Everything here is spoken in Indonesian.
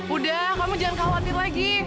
udah kamu jangan khawatir lagi